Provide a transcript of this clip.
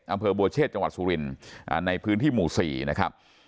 อำเภอบัวเชษจังหวัดสุรินทร์ในพื้นที่หมู่๔นะครับ